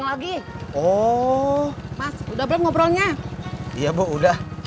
rumor di seluruh negara